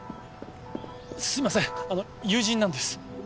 すいません友人なんです。